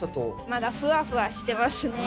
まだふわふわしてますね。